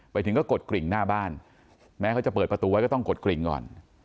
ไปถึงก็กดกริ่งหน้าบ้านแม้เขาจะเปิดประตูไว้ก็ต้องกดกริ่งก่อน